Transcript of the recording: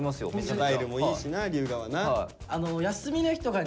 スタイルもいいしな龍我はな。